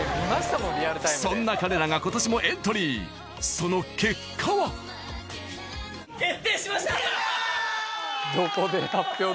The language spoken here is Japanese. そんな彼らが今年もエントリーその結果はイェイ！